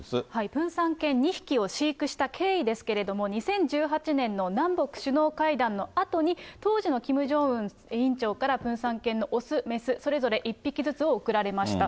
プンサン犬２匹を飼育した経緯ですけれども、２０１８年の南北首脳会談のあとに、当時のキム・ジョンウン委員長から、プンサン犬の雄、雌、それぞれ１匹ずつを贈られました。